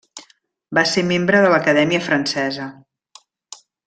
Va ser membre de l'Acadèmia francesa.